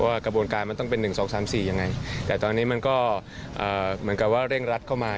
กระบวนการมันต้องเป็น๑๒๓๔ยังไงแต่ตอนนี้มันก็เหมือนกับว่าเร่งรัดเข้ามา